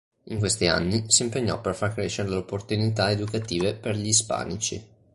In questi anni si impegnò per far crescere le opportunità educative per gli ispanici.